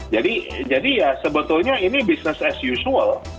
jadi ya sebetulnya ini bisnis as usual